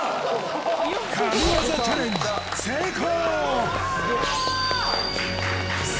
神業チャレンジ成功！